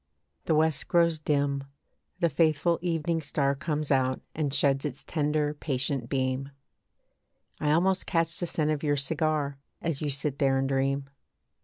The West grows dim. The faithful evening star Comes out and sheds its tender patient beam. I almost catch the scent of your cigar, As you sit there and dream.